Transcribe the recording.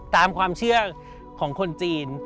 ตามความเชื่อของคนจีน